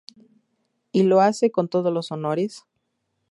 Y lo hace con todos los honores.